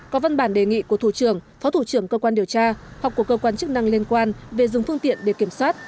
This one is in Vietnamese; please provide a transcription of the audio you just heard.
có văn bản đề nghị của thủ trưởng phó thủ trưởng cơ quan điều tra hoặc của cơ quan chức năng liên quan về dừng phương tiện để kiểm soát